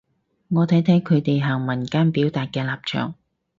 我睇睇佢哋行文間表達嘅立場